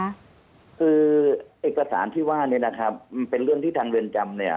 คือเอกสารที่ว่าเป็นเรื่องที่ทางเรือนจำ